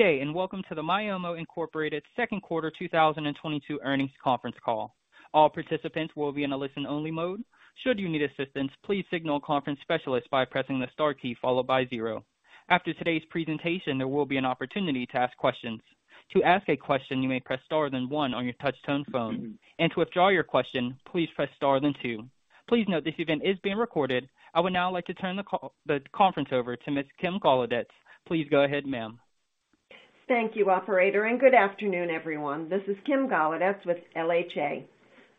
Good day, and welcome to the Myomo, Inc. Q2 2022 Earnings Conference Call. All participants will be in a listen-only mode. Should you need assistance, please signal a conference specialist by pressing the Star key followed by 0. After today's presentation, there will be an opportunity to ask questions. To ask a question, you may press Star then 1 on your touch tone phone, and to withdraw your question, please press Star then 2. Please note this event is being recorded. I would now like to turn the conference over to Ms. Kim Golodetz. Please go ahead, ma'am. Thank you, operator, and good afternoon, everyone. This is Kim Golodetz with LHA.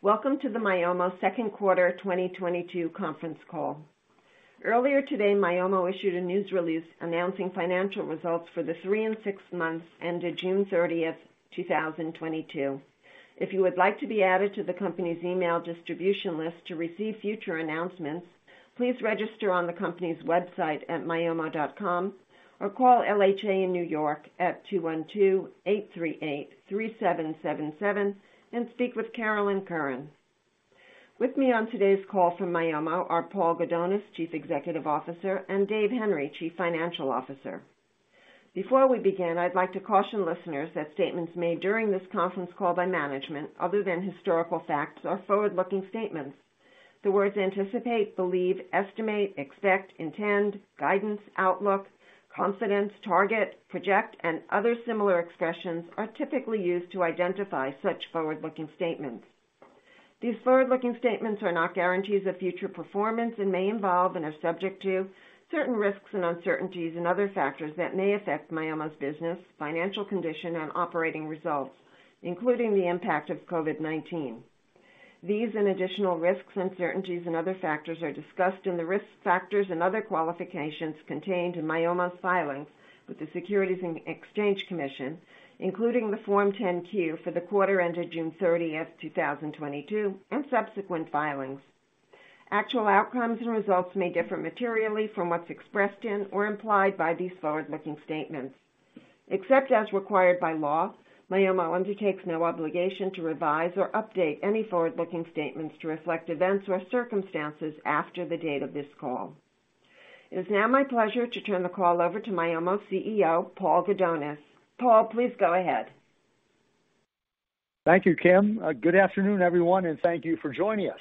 Welcome to the Myomo Q2 2022 Conference Call. Earlier today, Myomo issued a news release announcing financial results for the three and six months ended June 30, 2022. If you would like to be added to the company's email distribution list to receive future announcements, please register on the company's website at myomo.com or call LHA in New York at 212-838-3777 and speak with Carolyn Curran. With me on today's call from Myomo are Paul Gudonis, Chief Executive Officer, and Dave Henry, Chief Financial Officer. Before we begin, I'd like to caution listeners that statements made during this conference call by management, other than historical facts, are forward-looking statements. The words anticipate, believe, estimate, expect, intend, guidance, outlook, confidence, target, project, and other similar expressions are typically used to identify such forward-looking statements. These forward-looking statements are not guarantees of future performance and may involve and are subject to certain risks and uncertainties and other factors that may affect Myomo's business, financial condition, and operating results, including the impact of COVID-19. These and additional risks, uncertainties, and other factors are discussed in the risk factors and other qualifications contained in Myomo's filings with the Securities and Exchange Commission, including the Form 10-Q for the quarter ended June 30, 2022, and subsequent filings. Actual outcomes and results may differ materially from what's expressed in or implied by these forward-looking statements. Except as required by law, Myomo undertakes no obligation to revise or update any forward-looking statements to reflect events or circumstances after the date of this call. It is now my pleasure to turn the call over to Myomo CEO, Paul Gudonis. Paul, please go ahead. Thank you, Kim. Good afternoon, everyone, and thank you for joining us.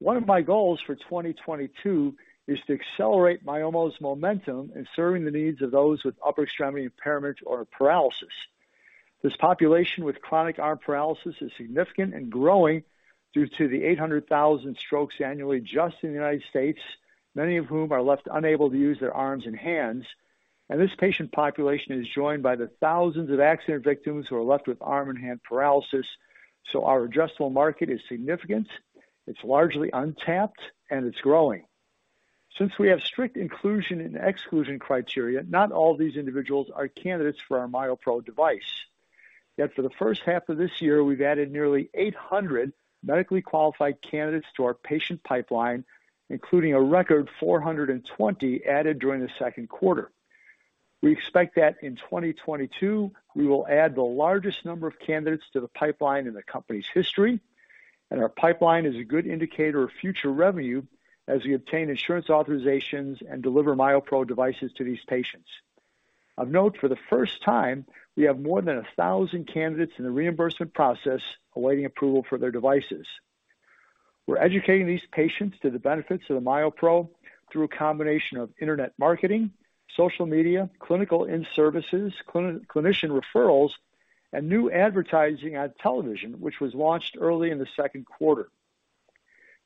One of my goals for 2022 is to accelerate Myomo's momentum in serving the needs of those with upper extremity impairment or paralysis. This population with chronic arm paralysis is significant and growing due to the 800,000 strokes annually just in the United States, many of whom are left unable to use their arms and hands. This patient population is joined by the thousands of accident victims who are left with arm and hand paralysis. Our addressable market is significant, it's largely untapped, and it's growing. Since we have strict inclusion and exclusion criteria, not all these individuals are candidates for our MyoPro device. Yet for the first half of this year, we've added nearly 800 medically qualified candidates to our patient pipeline, including a record 420 added during the Q2. We expect that in 2022, we will add the largest number of candidates to the pipeline in the company's history, and our pipeline is a good indicator of future revenue as we obtain insurance authorizations and deliver MyoPro devices to these patients. Of note, for the first time, we have more than 1,000 candidates in the reimbursement process awaiting approval for their devices. We're educating these patients to the benefits of the MyoPro through a combination of internet marketing, social media, clinical in-services, clinician referrals, and new advertising on television, which was launched early in the Q2.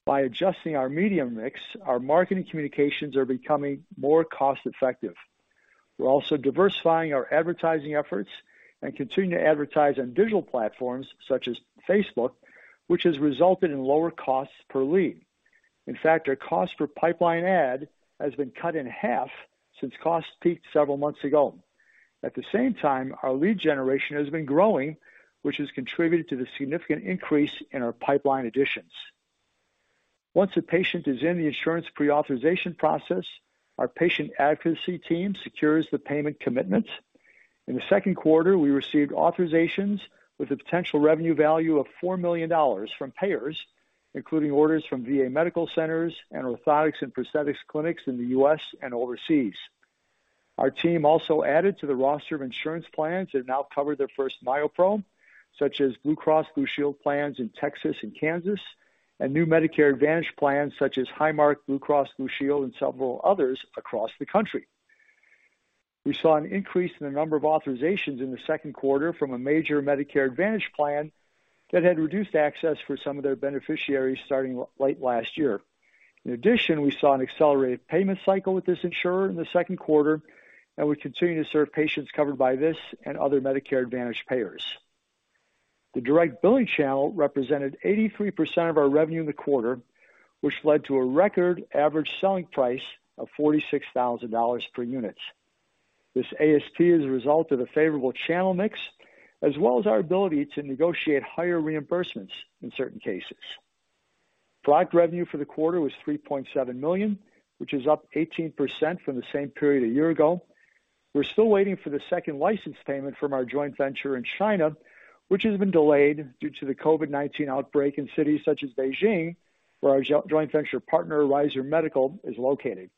By adjusting our media mix, our marketing communications are becoming more cost-effective. We're also diversifying our advertising efforts and continue to advertise on digital platforms such as Facebook, which has resulted in lower costs per lead. In fact, our cost per pipeline ad has been cut in half since costs peaked several months ago. At the same time, our lead generation has been growing, which has contributed to the significant increase in our pipeline additions. Once a patient is in the insurance pre-authorization process, our patient advocacy team secures the payment commitment. In the Q2, we received authorizations with a potential revenue value of $4 million from payers, including orders from VA medical centers and orthotics and prosthetics clinics in the U.S. and overseas. Our team also added to the roster of insurance plans that now cover their first MyoPro, such as Blue Cross Blue Shield plans in Texas and Kansas, and new Medicare Advantage plans such as Highmark, Blue Cross Blue Shield, and several others across the country. We saw an increase in the number of authorizations in the Q2 from a major Medicare Advantage plan that had reduced access for some of their beneficiaries starting late last year. In addition, we saw an accelerated payment cycle with this insurer in the Q2, and we continue to serve patients covered by this and other Medicare Advantage payers. The direct billing channel represented 83% of our revenue in the quarter, which led to a record average selling price of $46,000 per unit. This ASP is a result of the favorable channel mix as well as our ability to negotiate higher reimbursements in certain cases. Product revenue for the quarter was $3.7 million, which is up 18% from the same period a year ago. We're still waiting for the second license payment from our joint venture in China, which has been delayed due to the COVID-19 outbreak in cities such as Beijing, where our joint venture partner, Ryzur Medical, is located.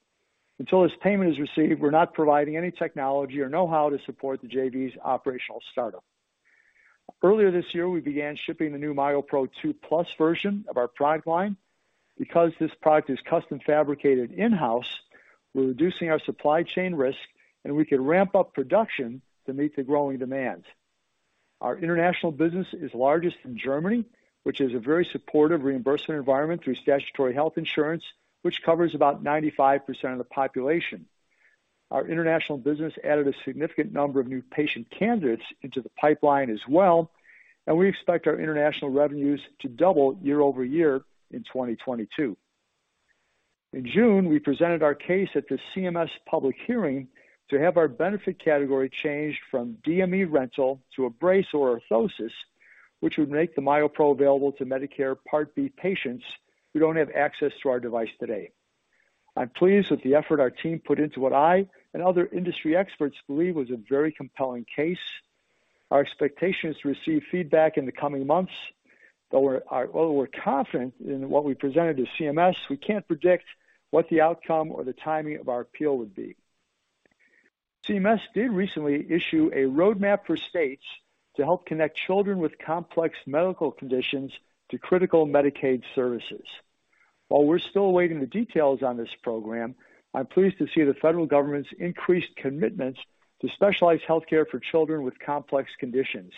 Until this payment is received, we're not providing any technology or know-how to support the JV's operational startup. Earlier this year, we began shipping the new MyoPro 2+ version of our product line. Because this product is custom fabricated in-house, we're reducing our supply chain risk, and we can ramp up production to meet the growing demand. Our international business is largest in Germany, which is a very supportive reimbursement environment through statutory health insurance, which covers about 95% of the population. Our international business added a significant number of new patient candidates into the pipeline as well, and we expect our international revenues to double year-over-year in 2022. In June, we presented our case at the CMS public hearing to have our benefit category changed from DME rental to a brace or orthosis, which would make the MyoPro available to Medicare Part B patients who don't have access to our device today. I'm pleased with the effort our team put into what I and other industry experts believe was a very compelling case. Our expectation is to receive feedback in the coming months. Although we're confident in what we presented to CMS, we can't predict what the outcome or the timing of our appeal would be. CMS did recently issue a roadmap for states to help connect children with complex medical conditions to critical Medicaid services. While we're still awaiting the details on this program, I'm pleased to see the federal government's increased commitments to specialized healthcare for children with complex conditions.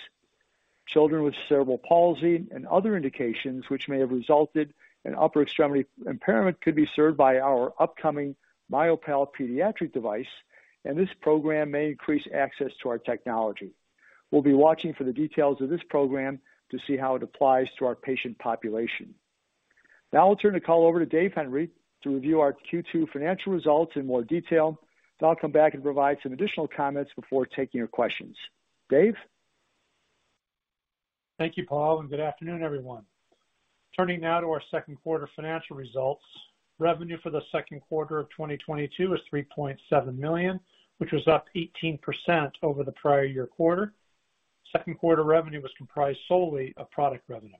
Children with cerebral palsy and other indications which may have resulted in upper extremity impairment could be served by our upcoming MyoPal pediatric device, and this program may increase access to our technology. We'll be watching for the details of this program to see how it applies to our patient population. Now I'll turn the call over to Dave Henry to review our Q2 financial results in more detail. I'll come back and provide some additional comments before taking your questions. Dave? Thank you, Paul, and good afternoon, everyone. Turning now to our Q2 financial results. Revenue for the Q2 of 2022 was $3.7 million, which was up 18% over the prior year quarter. Q2 revenue was comprised solely of product revenue.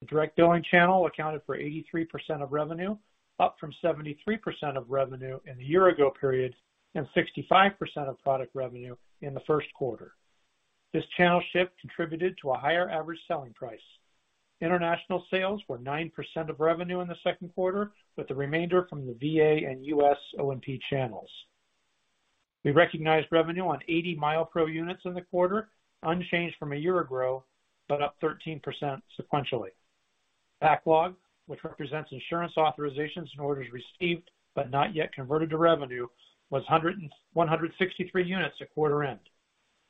The direct billing channel accounted for 83% of revenue, up from 73% of revenue in the year ago period and 65% of product revenue in the Q1. This channel shift contributed to a higher average selling price. International sales were 9% of revenue in the Q2, with the remainder from the VA and US O&P channels. We recognized revenue on 80 MyoPro units in the quarter, unchanged from a year ago, but up 13% sequentially. Backlog, which represents insurance authorizations and orders received but not yet converted to revenue, was 163 units at quarter end.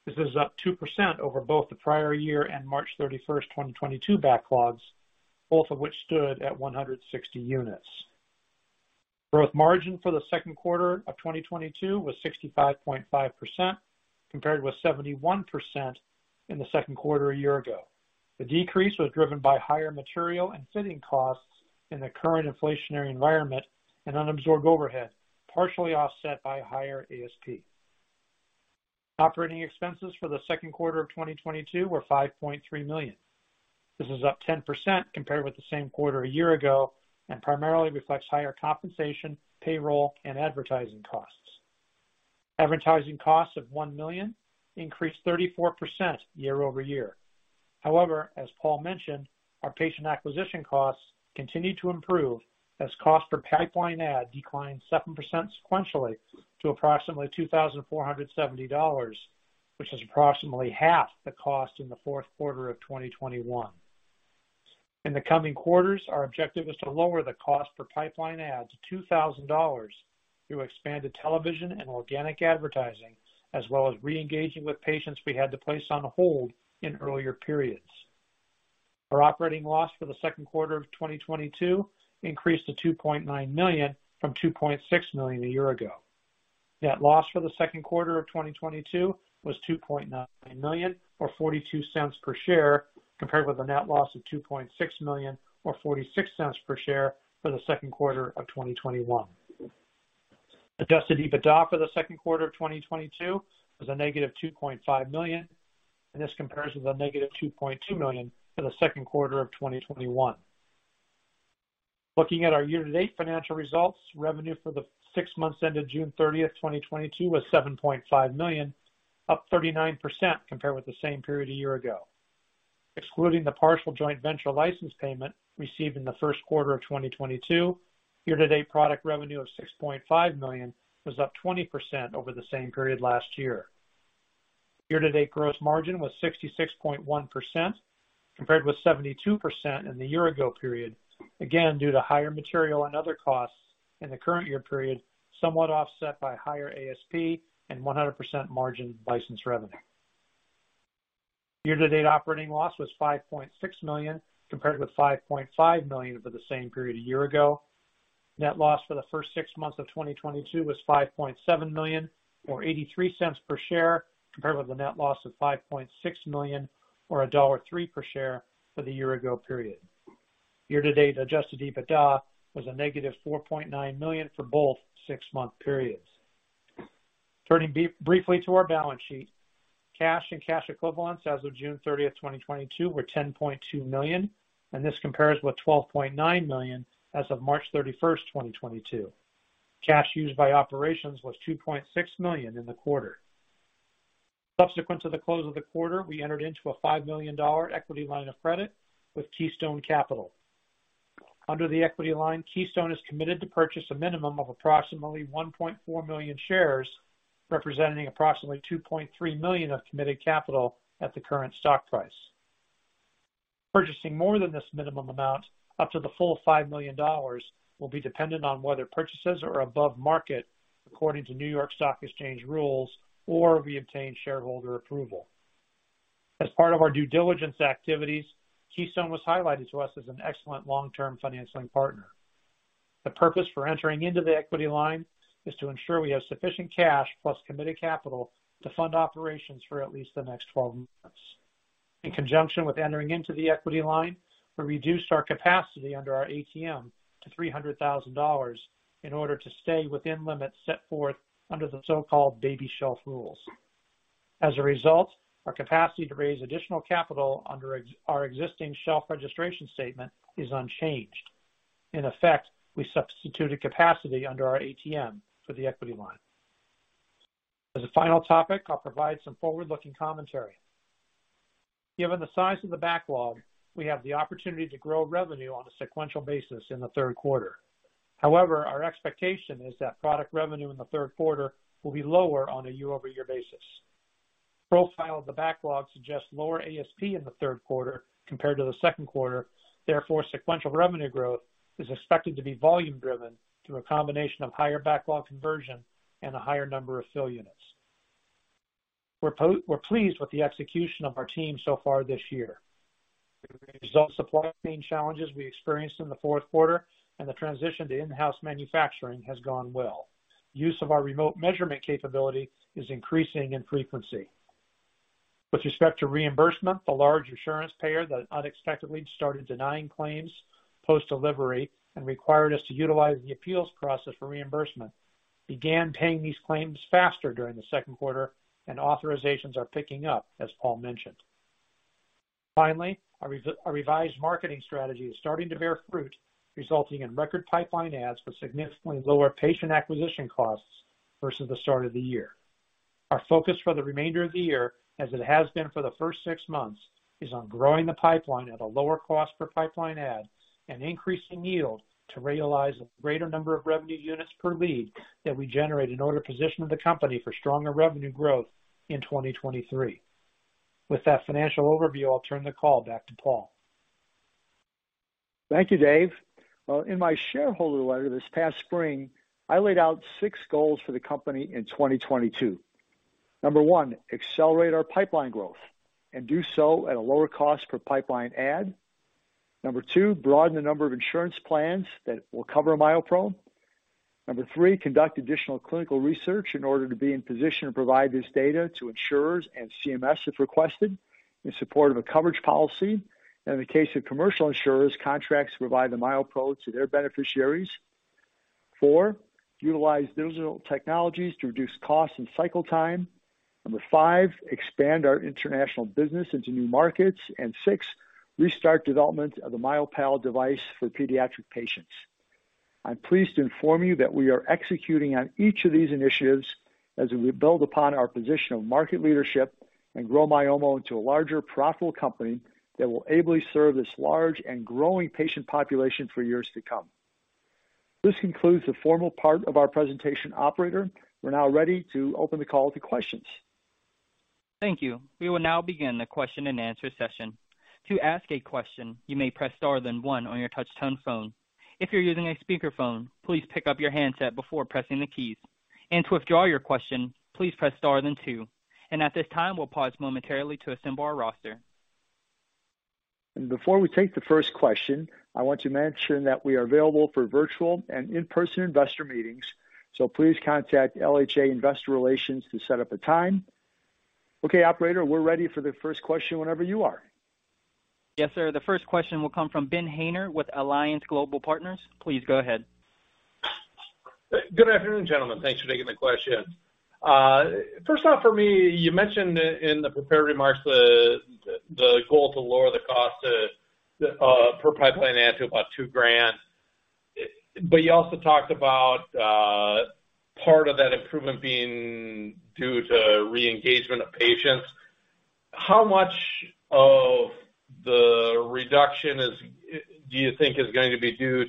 This is up 2% over both the prior year and March 31, 2022 backlogs, both of which stood at 160 units. Gross margin for the Q2 of 2022 was 65.5%, compared with 71% in the Q2 a year ago. The decrease was driven by higher material and fitting costs in the current inflationary environment and unabsorbed overhead, partially offset by higher ASP. Operating expenses for the Q2 of 2022 were $5.3 million. This is up 10% compared with the same quarter a year ago and primarily reflects higher compensation, payroll, and advertising costs. Advertising costs of $1 million increased 34% year-over-year. However, as Paul mentioned, our patient acquisition costs continued to improve as cost per pipeline ad declined 7% sequentially to approximately $2,470, which is approximately half the cost in the fourth quarter of 2021. In the coming quarters, our objective is to lower the cost per pipeline ad to $2,000 through expanded television and organic advertising, as well as reengaging with patients we had to place on hold in earlier periods. Our operating loss for the Q2 of 2022 increased to $2.9 million from $2.6 million a year ago. Net loss for the Q2 of 2022 was $2.9 million or $0.42 per share, compared with a net loss of $2.6 million or $0.46 per share for the Q2 of 2021. Adjusted EBITDA for the Q2 of 2022 was negative $2.5 million, and this compares with negative $2.2 million for the Q2 of 2021. Looking at our year-to-date financial results, revenue for the six months ended June 30, 2022 was $7.5 million, up 39% compared with the same period a year ago. Excluding the partial joint venture license payment received in the Q1 of 2022, year-to-date product revenue of $6.5 million was up 20% over the same period last year. Year-to-date gross margin was 66.1%, compared with 72% in the year ago period. Again, due to higher material and other costs in the current year period, somewhat offset by higher ASP and 100% margin license revenue. Year-to-date operating loss was $5.6 million, compared with $5.5 million for the same period a year ago. Net loss for the first 6 months of 2022 was $5.7 million or $0.83 per share, compared with a net loss of $5.6 million or $1.03 per share for the year ago period. Year-to-date adjusted EBITDA was negative $4.9 million for both 6-month periods. Turning briefly to our balance sheet. Cash and cash equivalents as of June 30, 2022 were $10.2 million, and this compares with $12.9 million as of March 31, 2022. Cash used by operations was $2.6 million in the quarter. Subsequent to the close of the quarter, we entered into a $5 million equity line of credit with Keystone Capital. Under the equity line, Keystone is committed to purchase a minimum of approximately 1.4 million shares, representing approximately $2.3 million of committed capital at the current stock price. Purchasing more than this minimum amount up to the full $5 million will be dependent on whether purchases are above market according to New York Stock Exchange rules or we obtain shareholder approval. As part of our due diligence activities, Keystone was highlighted to us as an excellent long-term financing partner. The purpose for entering into the equity line is to ensure we have sufficient cash plus committed capital to fund operations for at least the next 12 months. In conjunction with entering into the equity line, we reduced our capacity under our ATM to $300,000 in order to stay within limits set forth under the so-called baby shelf rules. As a result, our capacity to raise additional capital under our existing shelf registration statement is unchanged. In effect, we substituted capacity under our ATM for the equity line. As a final topic, I'll provide some forward-looking commentary. Given the size of the backlog, we have the opportunity to grow revenue on a sequential basis in the Q3. However, our expectation is that product revenue in the Q3 will be lower on a year-over-year basis. Profile of the backlog suggests lower ASP in the Q3 compared to the Q2. Therefore, sequential revenue growth is expected to be volume driven through a combination of higher backlog conversion and a higher number of fill units. We're pleased with the execution of our team so far this year. The results of supply chain challenges we experienced in the Q4 and the transition to in-house manufacturing has gone well. Use of our remote measurement capability is increasing in frequency. With respect to reimbursement, the large insurance payer that unexpectedly started denying claims post-delivery and required us to utilize the appeals process for reimbursement began paying these claims faster during the Q2, and authorizations are picking up, as Paul mentioned. Finally, our revised marketing strategy is starting to bear fruit, resulting in record pipeline adds for significantly lower patient acquisition costs versus the start of the year. Our focus for the remainder of the year, as it has been for the first six months, is on growing the pipeline at a lower cost per pipeline add and increasing yield to realize a greater number of revenue units per lead that we generate in order to position the company for stronger revenue growth in 2023. With that financial overview, I'll turn the call back to Paul. Thank you, Dave. In my shareholder letter this past spring, I laid out six goals for the company in 2022. Number 1, accelerate our pipeline growth and do so at a lower cost per pipeline add. Number 2, broaden the number of insurance plans that will cover MyoPro. Number 3, conduct additional clinical research in order to be in position to provide this data to insurers and CMS, if requested, in support of a coverage policy. In the case of commercial insurers, contracts to provide the MyoPro to their beneficiaries. 4, utilize digital technologies to reduce costs and cycle time. Number 5, expand our international business into new markets. 6, restart development of the MyoPal device for pediatric patients. I'm pleased to inform you that we are executing on each of these initiatives as we build upon our position of market leadership and grow Myomo into a larger, profitable company that will ably serve this large and growing patient population for years to come. This concludes the formal part of our presentation. Operator, we're now ready to open the call to questions. Thank you. We will now begin the question-and-answer session. To ask a question, you may press Star then 1 on your touch tone phone. If you're using a speakerphone, please pick up your handset before pressing the keys. To withdraw your question, please press Star then 2. At this time, we'll pause momentarily to assemble our roster. Before we take the first question, I want to mention that we are available for virtual and in-person investor meetings, so please contact LHA Investor Relations to set up a time. Okay, operator, we're ready for the first question whenever you are. Yes, sir. The first question will come from Ben Haynor with Alliance Global Partners. Please go ahead. Good afternoon, gentlemen. Thanks for taking the question. First off for me, you mentioned in the prepared remarks the goal to lower the cost per pipeline add to about $2,000. You also talked about part of that improvement being due to re-engagement of patients. How much of the reduction is, do you think, going to be due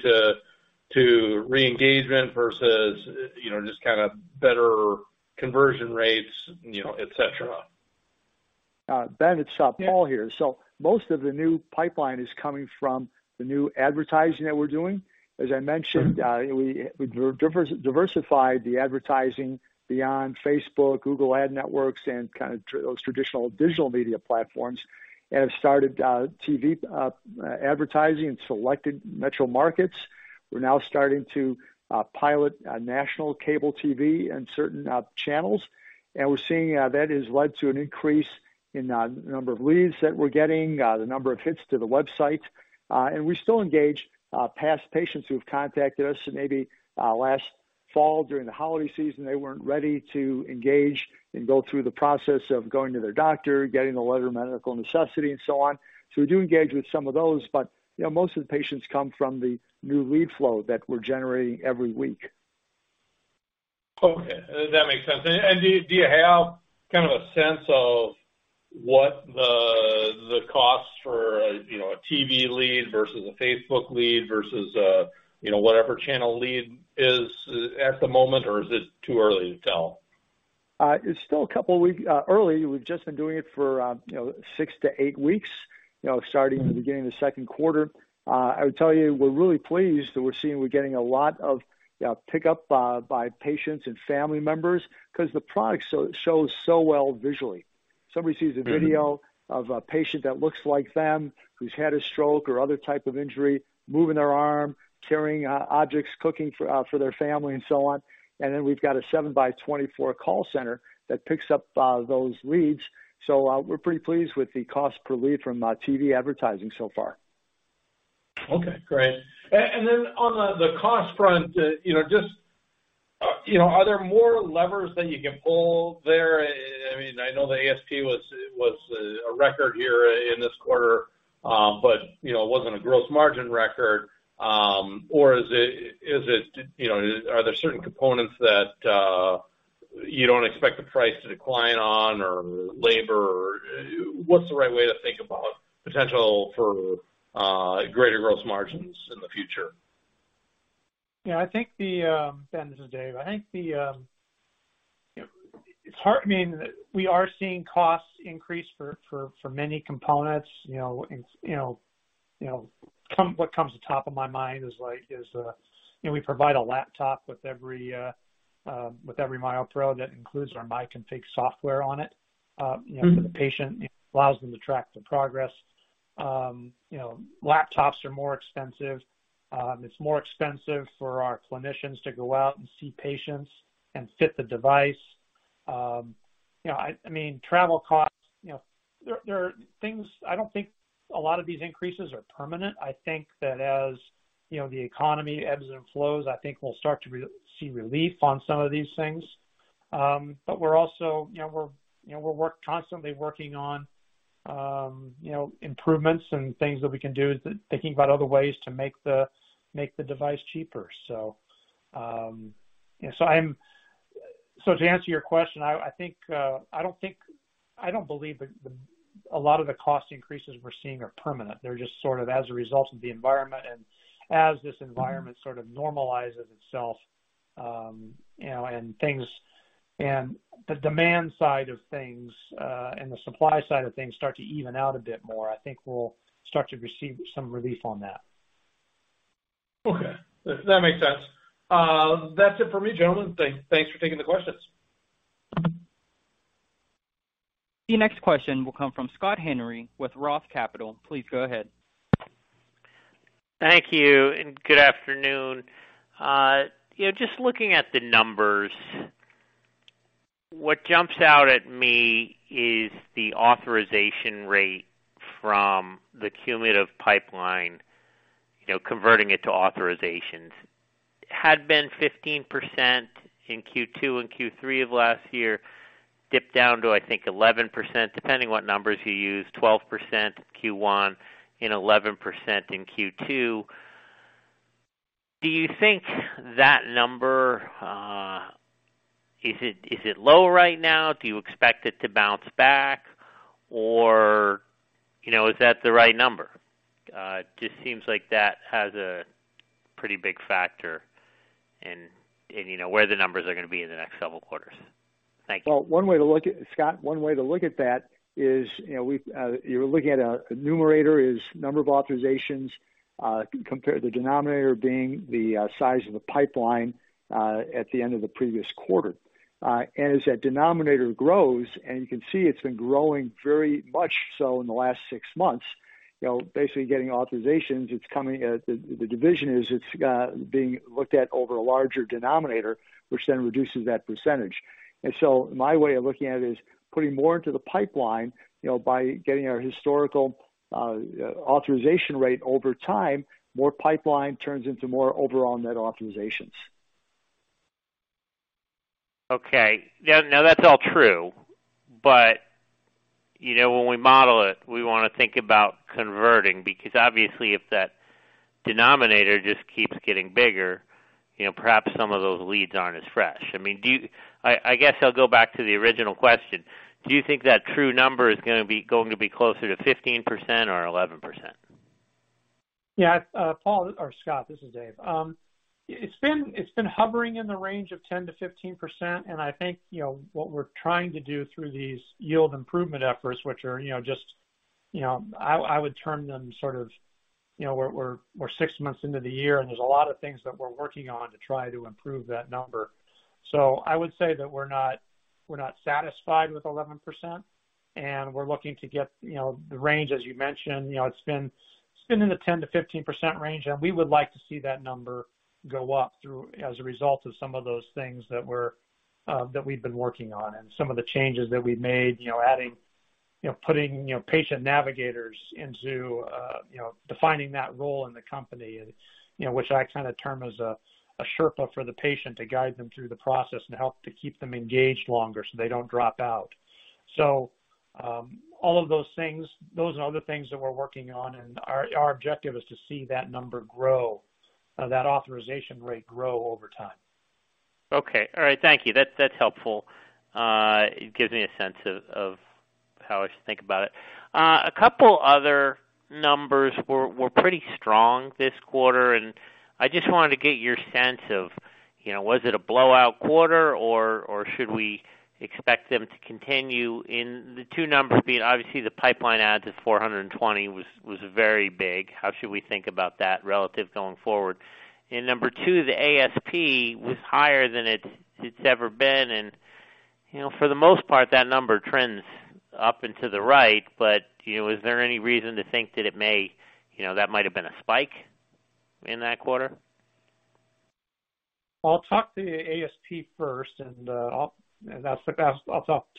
to re-engagement versus, you know, just kinda better conversion rates, you know, et cetera? Ben, it's Paul here. Most of the new pipeline is coming from the new advertising that we're doing. As I mentioned. We diversified the advertising beyond Facebook, Google Ads and kind of those traditional digital media platforms, and have started TV advertising in selected metro markets. We're now starting to pilot national cable TV in certain channels. We're seeing that has led to an increase in number of leads that we're getting, the number of hits to the website. We still engage past patients who have contacted us maybe last fall during the holiday season. They weren't ready to engage and go through the process of going to their doctor, getting a letter of medical necessity and so on. We do engage with some of those. You know, most of the patients come from the new lead flow that we're generating every week. Okay, that makes sense. Do you have kind of a sense of what the cost for, you know, a TV lead versus a Facebook lead versus, you know, whatever channel lead is at the moment, or is it too early to tell? It's still a couple weeks early. We've just been doing it for, you know, 6-8 weeks, you know, starting in the beginning of the Q2. I would tell you, we're really pleased that we're seeing a lot of pickup by patients and family members 'cause the product shows so well visually. Somebody sees a video of a patient that looks like them, who's had a stroke or other type of injury, moving their arm, carrying objects, cooking for their family and so on. We've got a 24/7 call center that picks up those leads. We're pretty pleased with the cost per lead from TV advertising so far. Okay, great. Then on the cost front, you know, just, you know, are there more levers that you can pull there? I mean, I know the ASP was a record here in this quarter, but, you know, it wasn't a gross margin record. Or is it, you know? Are there certain components that you don't expect the price to decline on or labor? What's the right way to think about potential for greater gross margins in the future? Yeah, I think Ben, this is Dave. I think you know, it's heartening that we are seeing costs increase for many components, you know, what comes to top of my mind is like you know, we provide a laptop with every MyoPro that includes our MyConfig software on it, you know, for the patient. It allows them to track the progress. You know, laptops are more expensive. It's more expensive for our clinicians to go out and see patients and fit the device. You know, I mean, travel costs, you know. There are things I don't think a lot of these increases are permanent. I think that as you know the economy ebbs and flows, I think we'll start to receive relief on some of these things. But we're also you know we're constantly working on you know improvements and things that we can do thinking about other ways to make the device cheaper. To answer your question, I don't believe that a lot of the cost increases we're seeing are permanent. They're just sort of as a result of the environment. As this environment sort of normalizes itself you know and things and the demand side of things and the supply side of things start to even out a bit more, I think we'll start to receive some relief on that. Okay. That makes sense. That's it for me, gentlemen. Thanks for taking the questions. The next question will come from Scott Henry with Roth Capital. Please go ahead. Thank you and good afternoon. You know, just looking at the numbers, what jumps out at me is the authorization rate from the cumulative pipeline, you know, converting it to authorizations had been 15% in Q2 and Q3 of last year, dipped down to, I think, 11%, depending what numbers you use, 12% Q1 and 11% in Q2. Do you think that number, is it low right now? Do you expect it to bounce back or, you know, is that the right number? It just seems like that has a pretty big factor in, you know, where the numbers are gonna be in the next several quarters. Thank you. Well, one way to look at, Scott, one way to look at that is, you know, you're looking at the numerator, the number of authorizations, compared to the denominator being the size of the pipeline at the end of the previous quarter. As that denominator grows, and you can see it's been growing very much so in the last six months, you know, basically getting authorizations, the division is being looked at over a larger denominator, which then reduces that percentage. My way of looking at it is putting more into the pipeline, you know, by getting our historical authorization rate over time, more pipeline turns into more overall net authorizations. Okay. Now, that's all true, but, you know, when we model it, we wanna think about converting, because obviously, if that denominator just keeps getting bigger, you know, perhaps some of those leads aren't as fresh. I mean, I guess I'll go back to the original question. Do you think that true number is gonna be closer to 15% or 11%? Yeah, Paul or Scott, this is Dave. It's been hovering in the range of 10%-15%, and I think, you know, what we're trying to do through these yield improvement efforts, which are, you know, just, you know, I would term them sort of, you know, we're six months into the year, and there's a lot of things that we're working on to try to improve that number. I would say that we're not satisfied with 11%, and we're looking to get, you know, the range, as you mentioned, you know, it's been in the 10%-15% range, and we would like to see that number go up through as a result of some of those things that we've been working on and some of the changes that we've made, you know, adding, you know, putting, you know, patient navigators into, you know, defining that role in the company and, you know, which I kinda term as a Sherpa for the patient to guide them through the process and help to keep them engaged longer so they don't drop out. All of those things, those are other things that we're working on, and our objective is to see that number grow, that authorization rate grow over time. Okay. All right. Thank you. That's helpful. It gives me a sense of how I should think about it. A couple other numbers were pretty strong this quarter, and I just wanted to get your sense of, you know, was it a blowout quarter or should we expect them to continue? The two numbers being, obviously, the pipeline adds of 420 was very big. How should we think about that relatively going forward? Number two, the ASP was higher than it's ever been. You know, for the most part, that number trends up and to the right. But you know, is there any reason to think that it may. You know, that might have been a spike in that quarter? I'll talk to the ASP first, and off the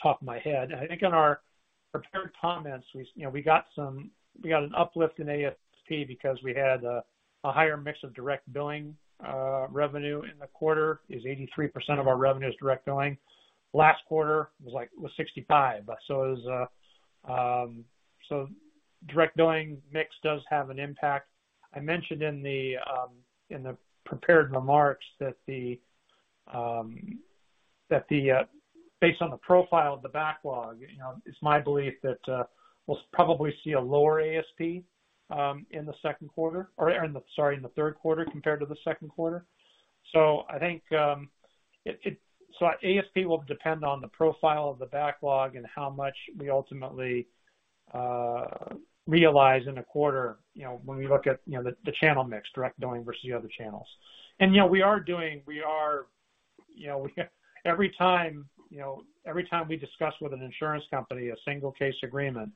top of my head. I think in our prepared comments, you know, we got an uplift in ASP because we had a higher mix of direct billing revenue in the quarter is 83% of our revenue is direct billing. Last quarter was like 65%. Direct billing mix does have an impact. I mentioned in the prepared remarks that based on the profile of the backlog, you know, it's my belief that we'll probably see a lower ASP in the Q2 or, sorry, in the Q3 compared to the Q2. I think ASP will depend on the profile of the backlog and how much we ultimately realize in a quarter, you know, when we look at, you know, the channel mix, direct billing versus the other channels. You know, we are doing you know we have every time you know every time we discuss with an insurance company a single case agreement,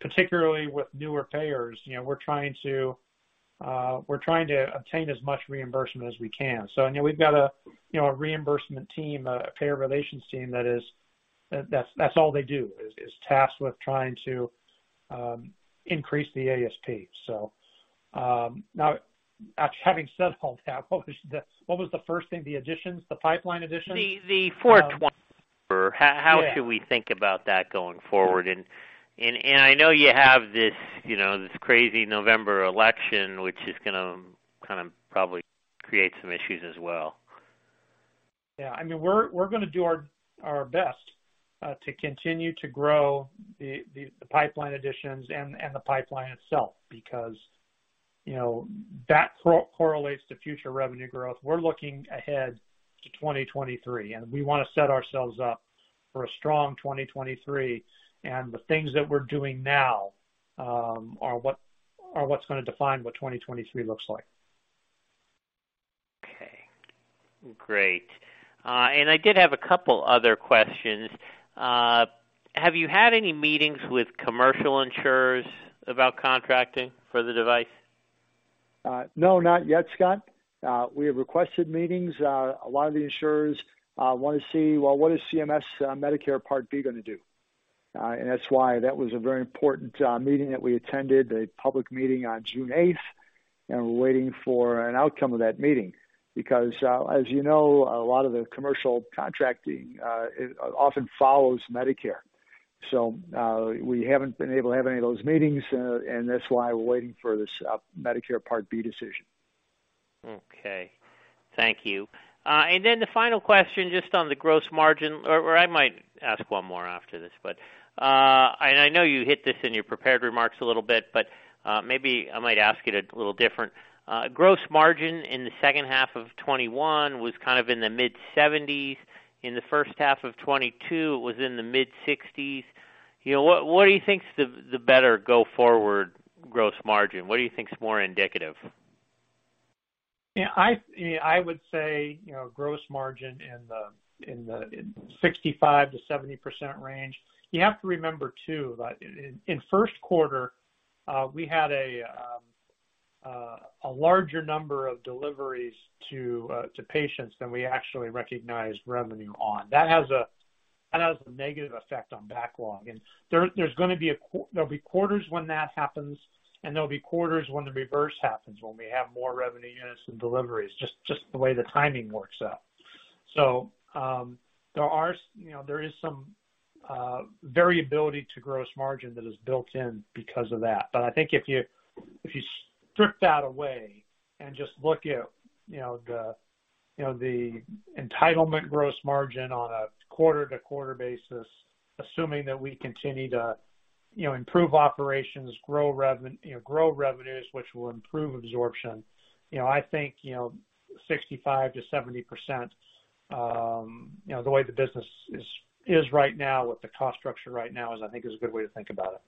particularly with newer payers, you know, we're trying to obtain as much reimbursement as we can. You know, we've got a you know a reimbursement team, a payer relations team that's all they do, is tasked with trying to increase the ASP. Now, having said all that, what was the first thing? The additions, the pipeline additions? The $4.20. Yeah. How should we think about that going forward? I know you have this, you know, this crazy November election, which is gonna kind of probably create some issues as well. Yeah. I mean, we're gonna do our best to continue to grow the pipeline additions and the pipeline itself because, you know, that correlates to future revenue growth. We're looking ahead to 2023, and we wanna set ourselves up for a strong 2023. The things that we're doing now are what's gonna define what 2023 looks like. Okay, great. I did have a couple other questions. Have you had any meetings with commercial insurers about contracting for the device? No, not yet, Scott. We have requested meetings. A lot of the insurers wanna see, well, what is CMS, Medicare Part D gonna do? That's why that was a very important meeting that we attended, a public meeting on June 8. We're waiting for an outcome of that meeting because, as you know, a lot of the commercial contracting often follows Medicare. We haven't been able to have any of those meetings, and that's why we're waiting for this Medicare Part D decision. Okay. Thank you. And then the final question, just on the gross margin. Or, I might ask one more after this, but, and I know you hit this in your prepared remarks a little bit, but, maybe I might ask it a little different. Gross margin in the second half of 2021 was kind of in the mid-70s%. In the first half of 2022, it was in the mid-60s%. You know, what do you think is the better go forward gross margin? What do you think is more indicative? Yeah, I would say, you know, gross margin in the 65%-70% range. You have to remember, too, that in Q1, we had a larger number of deliveries to patients than we actually recognized revenue on. That has a negative effect on backlog. There'll be quarters when that happens, and there'll be quarters when the reverse happens, when we have more revenue units than deliveries, just the way the timing works out. There is some, you know, variability to gross margin that is built in because of that. I think if you strip that away and just look at, you know, the entitlement gross margin on a quarter-to-quarter basis, assuming that we continue to, you know, improve operations, grow revenues, which will improve absorption. You know, I think, you know, 65%-70%, you know, the way the business is right now with the cost structure right now is, I think, a good way to think about it.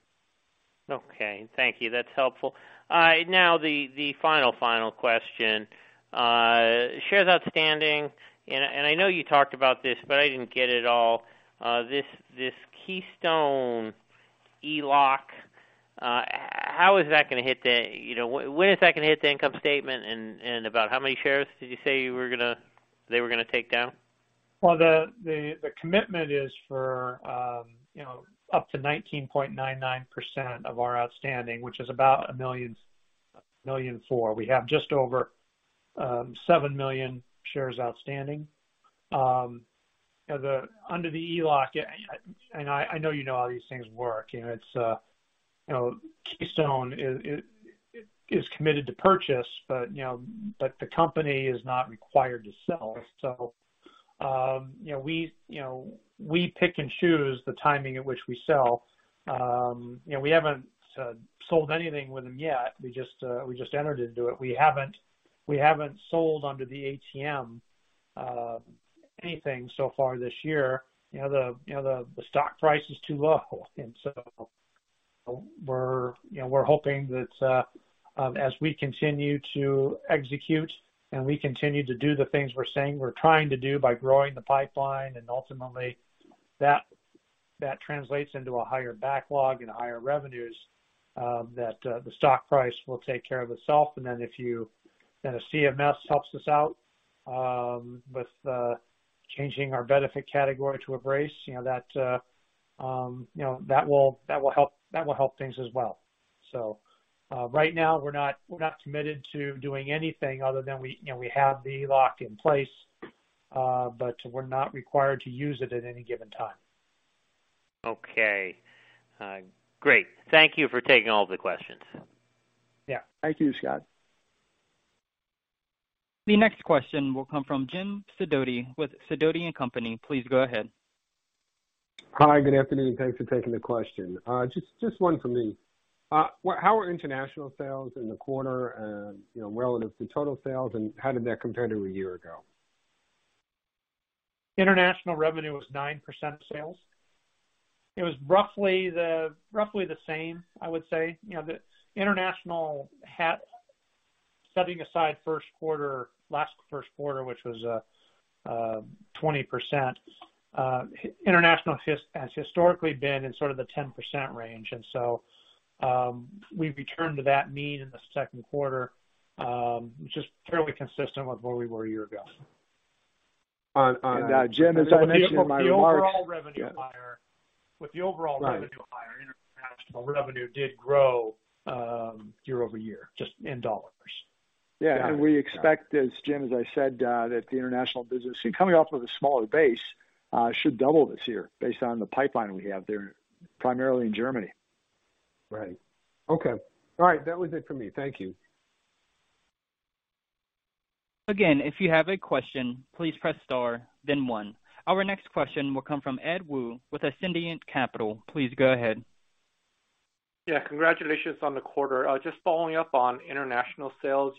Okay. Thank you. That's helpful. Now the final question. Shares outstanding, and I know you talked about this, but I didn't get it all. This Keystone ELOC, how is that gonna hit the income statement, you know. When is that gonna hit the income statement, and about how many shares did you say they were gonna take down? Well, the commitment is for up to 19.99% of our outstanding, which is about 1.4 million. We have just over 7 million shares outstanding. Under the ELOC, I know you know how these things work. You know, it's Keystone is committed to purchase, but you know, the company is not required to sell. You know, we pick and choose the timing at which we sell. You know, we haven't sold anything with them yet. We just entered into it. We haven't sold under the ATM anything so far this year. You know, the stock price is too low. We're hoping that as we continue to execute and we continue to do the things we're saying we're trying to do by growing the pipeline and ultimately that translates into a higher backlog and higher revenues, that the stock price will take care of itself. If CMS helps us out with changing our benefit category to a brace, you know, that will help things as well. Right now we're not committed to doing anything other than we you know we have the ELOC in place, but we're not required to use it at any given time. Okay. Great. Thank you for taking all the questions. Yeah. Thank you, Scott. The next question will come from Jim Sidoti with Sidoti & Company. Please go ahead. Hi, good afternoon. Thanks for taking the question. Just one for me. How are international sales in the quarter and, you know, relative to total sales, and how did that compare to a year ago? International revenue was 9% of sales. It was roughly the same, I would say. You know, the international half, setting aside Q1, last Q1, which was 20%, international has historically been in sort of the 10% range. We've returned to that mean in the Q2, which is fairly consistent with where we were a year ago. Jim, as I mentioned in my remarks. With the overall revenue higher, international revenue did grow year-over-year, just in dollars. Yeah. We expect as, Jim, as I said, that the international business, coming off of a smaller base, should double this year based on the pipeline we have there, primarily in Germany. Right. Okay. All right. That was it for me. Thank you. Again, if you have a question, please press star then one. Our next question will come from Ed Woo with Ascendiant Capital. Please go ahead. Yeah. Congratulations on the quarter. Just following up on international sales.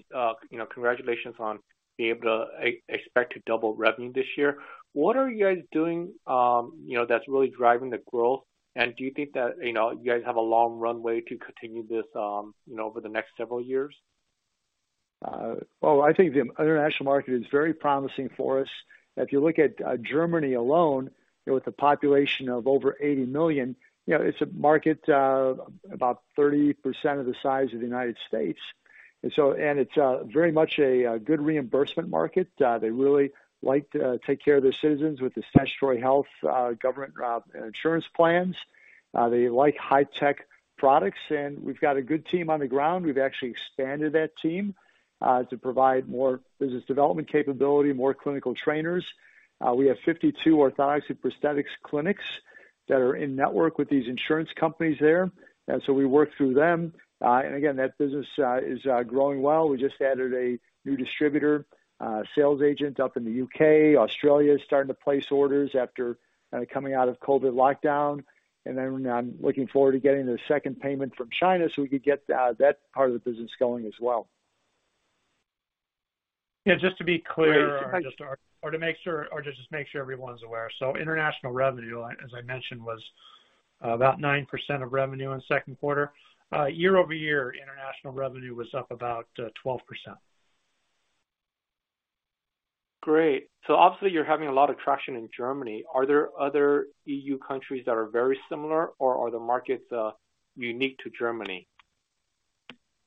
You know, congratulations on being able to expect to double revenue this year. What are you guys doing, you know, that's really driving the growth? Do you think that, you know, you guys have a long runway to continue this, you know, over the next several years? I think the international market is very promising for us. If you look at Germany alone, you know, with a population of over 80 million, you know, it's a market about 30% of the size of the United States. It's very much a good reimbursement market. They really like to take care of their citizens with the statutory health government insurance plans. They like high tech products, and we've got a good team on the ground. We've actually expanded that team to provide more business development capability, more clinical trainers. We have 52 orthotics and prosthetics clinics that are in network with these insurance companies there. We work through them. And again, that business is growing well. We just added a new distributor, sales agent up in the U.K. Australia is starting to place orders after coming out of COVID lockdown. I'm looking forward to getting the second payment from China so we can get that part of the business going as well. Just to make sure everyone's aware. International revenue, as I mentioned, was about 9% of revenue in the Q2. Year-over-year, international revenue was up about 12%. Great. Obviously, you're having a lot of traction in Germany. Are there other EU countries that are very similar or are the markets unique to Germany?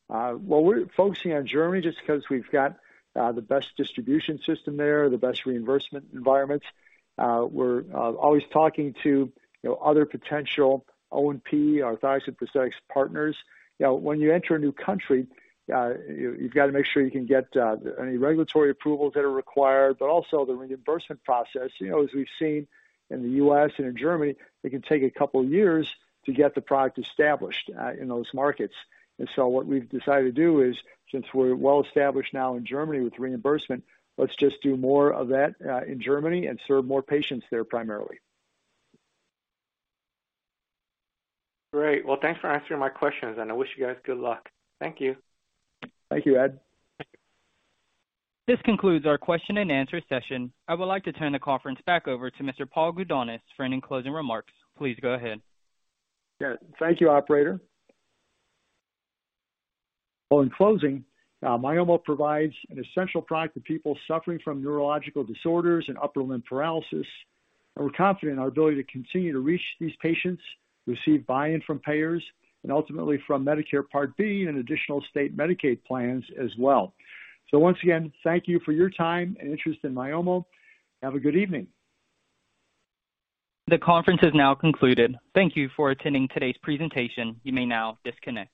Well, we're focusing on Germany just because we've got the best distribution system there, the best reimbursement environment. We're always talking to, you know, other potential O&P, orthotics and prosthetics partners. You know, when you enter a new country, you've got to make sure you can get any regulatory approvals that are required, but also the reimbursement process. You know, as we've seen in the U.S. and in Germany, it can take a couple of years to get the product established in those markets. What we've decided to do is, since we're well established now in Germany with reimbursement, let's just do more of that in Germany and serve more patients there primarily. Great. Well, thanks for answering my questions, and I wish you guys good luck. Thank you. Thank you, Ed. This concludes our question-and-answer session. I would like to turn the conference back over to Mr. Paul Gudonis for any closing remarks. Please go ahead. Yeah. Thank you, operator. Well, in closing, Myomo provides an essential product for people suffering from neurological disorders and upper limb paralysis, and we're confident in our ability to continue to reach these patients, receive buy-in from payers, and ultimately from Medicare Part B and additional state Medicaid plans as well. Once again, thank you for your time and interest in Myomo. Have a good evening. The conference is now concluded. Thank you for attending today's presentation. You may now disconnect.